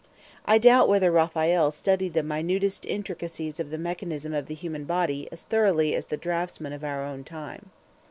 I doubt whether Raphael studied the minutest intricacies of the mechanism of the human body as thoroughly as the draughtsmen of our own time.